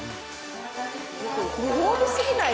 ご褒美すぎない？